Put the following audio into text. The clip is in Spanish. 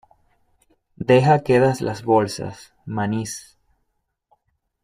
deja quedas las bolsas, manís.